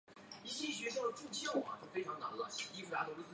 考文垂大轰炸是指发生在英国考文垂市的一系列炸弹袭击。